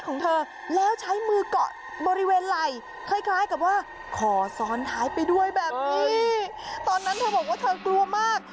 ตอนนั้นเธอบอกว่าเธอกลัวมาก